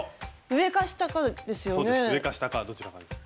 上か下かどちらかです。